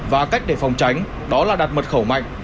và cách để phòng tránh đó là đặt mật khẩu mạnh